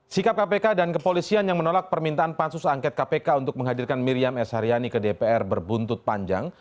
sikap kpk dan kepolisian yang menolak permintaan pansus angket kpk untuk menghadirkan miriam s haryani ke dpr berbuntut panjang